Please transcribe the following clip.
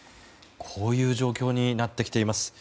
こういう状況になってきています。